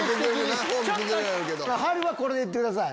春はこれでいってください。